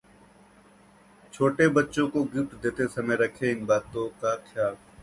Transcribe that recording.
छोटे बच्चों को गिफ्ट देते समय रखें इन बातों का ख्याल